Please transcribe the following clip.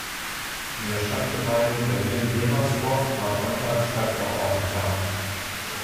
In der Stadtgemeinde Berlin-Wilmersdorf war Contag Stadtverordneter.